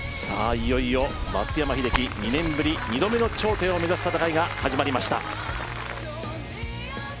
いよいよ松山英樹２年ぶり２度目の頂点を目指す戦いが始まりました。